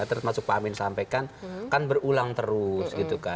termasuk pak amin sampaikan kan berulang terus